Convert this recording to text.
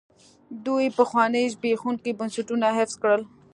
دوی پخواني زبېښونکي بنسټونه حفظ کړل.